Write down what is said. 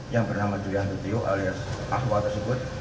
yang bernama julian petriu alias akwa tersebut